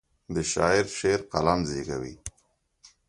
د شاعر شعر قلم زیږوي.